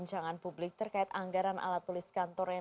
dan akhirnya kita menggunakan hppd selama enam tahun